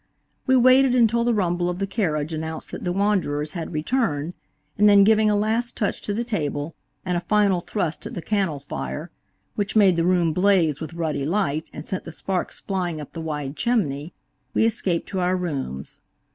We waited until the rumble of the carriage announced that the wanderers had returned, and then giving a last touch to the table, and a final thrust at the cannel fire, which made the room blaze with ruddy light and sent the sparks flying up the wide chimney, we escaped to our rooms.